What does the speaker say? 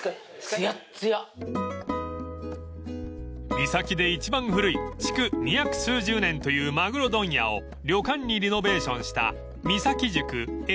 ［三崎で一番古い築２００数十年というマグロ問屋を旅館にリノベーションした］